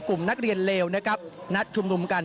กลุ่มนักเรียนเลวนัดชุดหนุมกัน